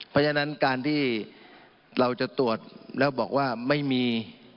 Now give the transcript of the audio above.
เพราะฉะนั้นการที่เราจะตรวจแล้วบอกว่าไม่มี